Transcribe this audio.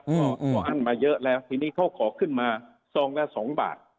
ก็อั้นมาเยอะแล้วทีนี้เขาขอขึ้นมาซองละ๒บาท